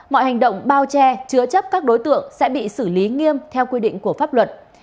mọi hành động bao che chứa chấp các đối tượng sẽ bị xử lý nghiêm theo quy định của pháp luật